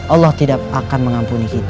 allah tidak akan mengampuni kita